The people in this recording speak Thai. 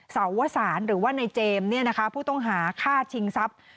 สาวสารหรือว่าในเจมส์ผู้ต้องหาฆ่าชิงทรัพย์